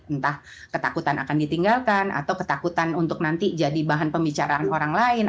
entah ketakutan akan ditinggalkan atau ketakutan untuk nanti jadi bahan pembicaraan orang lain